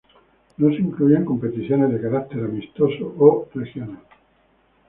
No se incluyen competiciones de carácter amistoso o regional.